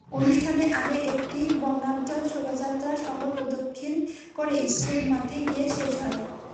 অনুষ্ঠানের আগে একটি বর্ণাঢ্য শোভাযাত্রা শহর প্রদক্ষিণ করে স্কুল মাঠে গিয়ে শেষ হয়।